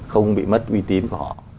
không bị mất uy tín của họ